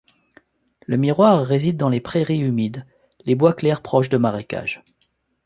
Le Miroir réside dans les prairies humides, les bois clairs proches de marécages.